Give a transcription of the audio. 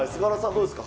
どうですか？